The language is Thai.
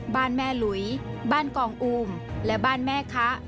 บ้านแม่หลุยบ้านกองอูมและบ้านแม่ค้า